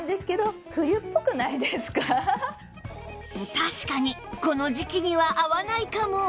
確かにこの時季には合わないかも